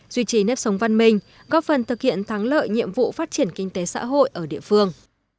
duy trì nếp sống văn minh góp phần thực hiện thắng lợi nhiệm vụ phát triển kinh tế xã hội ở địa phương